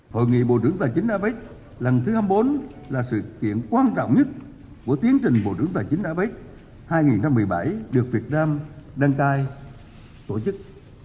hội nghị bộ trưởng tài chính apec lần thứ hai mươi bốn là sự kiện quan trọng nhất của tiến trình bộ trưởng tài chính apec hai nghìn một mươi bảy được việt nam đăng cai tổ chức